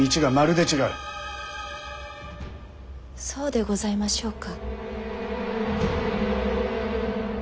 そうでございましょうか？